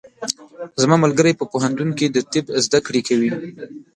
زما ملګری په پوهنتون کې د طب زده کړې کوي.